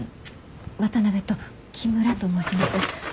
渡辺と木村と申します。